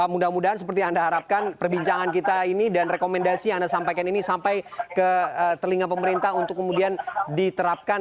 mudah mudahan seperti yang anda harapkan perbincangan kita ini dan rekomendasi yang anda sampaikan ini sampai ke telinga pemerintah untuk kemudian diterapkan